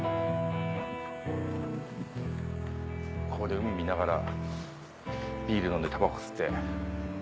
ここで海見ながらビール飲んでタバコ吸って。